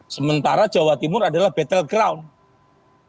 sementara jawa timur adalah battle ground